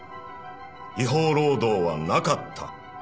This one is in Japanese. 違法労働はなかった。